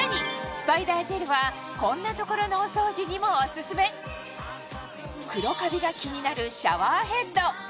スパイダージェルはこんな所のお掃除にもオススメ黒カビが気になるシャワーヘッド